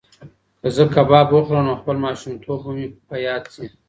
که زه کباب وخورم نو خپل ماشومتوب به مې په یاد شي.